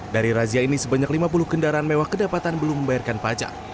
dari razia ini sebanyak lima puluh kendaraan mewah kedapatan belum membayarkan pajak